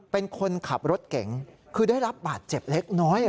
เป็นคนขับรถเก๋งคือได้รับบาดเจ็บเล็กน้อย